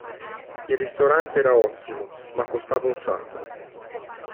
Il ristorante era ottimo, ma costava un sacco.